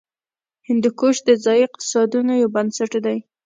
هندوکش د ځایي اقتصادونو یو بنسټ دی.